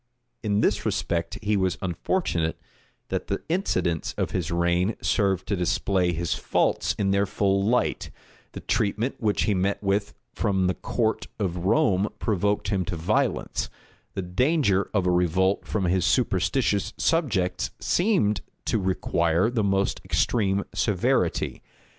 In this respect he was unfortunate, that the incidents of his reign served to display his faults in their full light: the treatment which he met with from the court of Rome provoked him to violence; the danger of a revolt from his superstitious subjects seemed to require the most extreme severity.